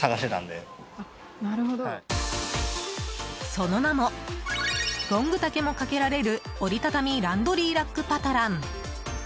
その名もロング丈も掛けられる折りたたみランドリーラックパタラン。